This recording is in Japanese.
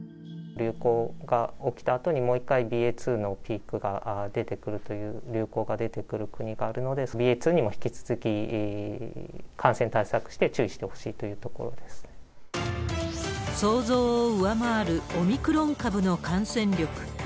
流行が起きたあとに、もう一回ＢＡ．２のピークが出てくるという、流行が出てくる国があるので、ＢＡ．２にも引き続き感染対策して、想像を上回るオミクロン株の感染力。